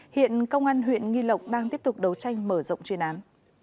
hiện công an huyện nghi lộc đang tiếp tục đấu tranh mở rộng chuyên án